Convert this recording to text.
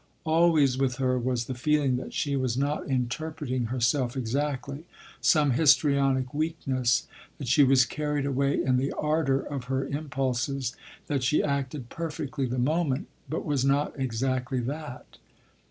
Always with her was the feeling that she was not interpreting herself exactly, some histrionic weakness—that she was carried away in the ardour of her impulses; that she acted perfectly the moment, but was not exactly that.